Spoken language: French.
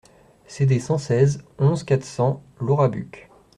CD cent seize, onze, quatre cents Laurabuc